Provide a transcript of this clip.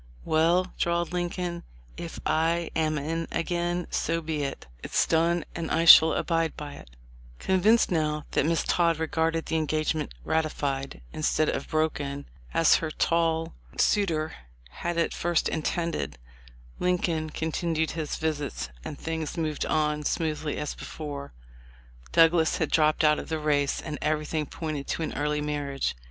"Well," drawled Lincoln, "if I am in again, so be it. It's done, and I shall abide by it."* Convinced now that Miss Todd regarded the engagement ratified, — instead of broken, as her tall * Statement, Joshua F. Speed, Sep. 17., 1866, MS. 214 THE LIFE OF LINCOLN. suitor had at first intended. — Lincoln continued his visits, and things moved on smoothly as before. Douglas had dropped out of the race, and every thing pointed to an early marriage.